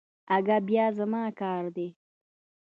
اگه بيا زما کار دی.